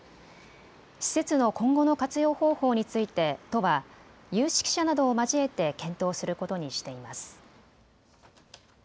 施設の今後の活用方法について都は有識者などを交えて検討することにしています。